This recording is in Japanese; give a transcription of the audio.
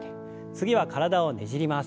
次は体をねじります。